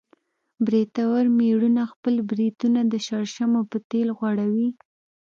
برېتور مېړونه خپل برېتونه د شړشمو په تېل غوړوي.